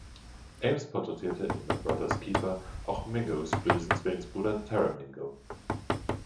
Ames porträtierte in „My Brother's Keeper“ auch Mingos bösen Zwillingsbruder Taramingo.